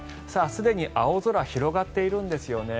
すでに青空が広がっているんですよね。